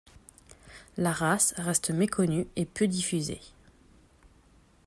La race reste méconnue et peu diffusée.